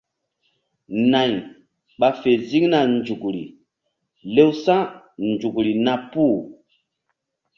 Nay ɓa fe ziŋna nzukri lewsa̧nzukri na puh.